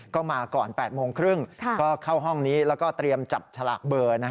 ก็มาก่อน๘๓๐นก็เข้าห้องนี้แล้วก็เตรียมจับตระหลากเบอร์